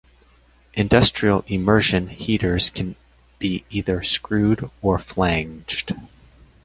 Industrial immersion heaters can be either screwed or flanged.